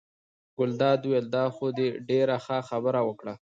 ګلداد وویل: دا خو دې ډېره ښه خبره وکړه.